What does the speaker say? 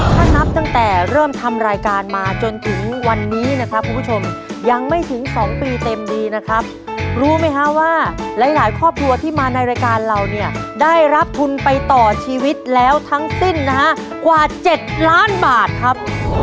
ถ้านับตั้งแต่เริ่มทำรายการมาจนถึงวันนี้นะครับคุณผู้ชมยังไม่ถึง๒ปีเต็มดีนะครับรู้ไหมฮะว่าหลายครอบครัวที่มาในรายการเราเนี่ยได้รับทุนไปต่อชีวิตแล้วทั้งสิ้นนะฮะกว่า๗ล้านบาทครับ